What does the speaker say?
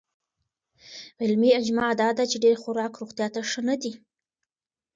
علمي اجماع دا ده چې ډېر خوراک روغتیا ته ښه نه دی.